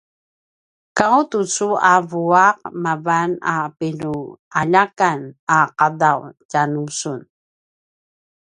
’aw tucu a vua’ mavan a pinualjakan a ’adav tjanusun